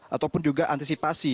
ataupun juga antisipasi